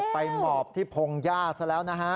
ไปหมอบที่พงยาซะแล้วนะฮะ